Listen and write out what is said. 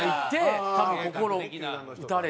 多分心を打たれて。